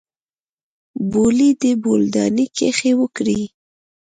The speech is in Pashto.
بولې دې په بولدانۍ کښې وکړې.